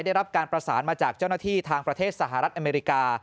ได้รับการประสานมาจากเจ้าหน้าที่ทางประเทศสหรัฐอเมริกา